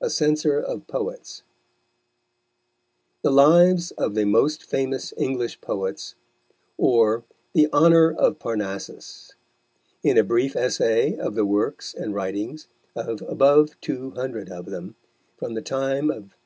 A CENSOR OF POETS The Lives of The Most Famous English Poets, _or the Honour of Parnassus; in a Brief Essay of the Works and Writings of above Two Hundred of them, from the Time of K.